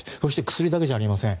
薬だけじゃありません。